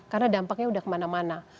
karena dampaknya sudah kemana mana